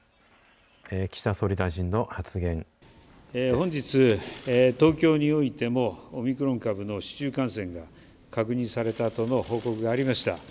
本日、東京においても、オミクロン株の市中感染が確認されたとの報告がありました。